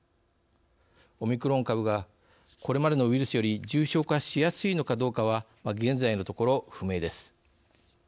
オミクロン株がこれまでのウイルスより重症化しやすいのかどうかは現在のところ不明です。